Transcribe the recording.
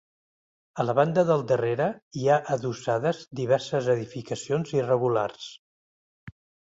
A la banda del darrere hi ha adossades diverses edificacions irregulars.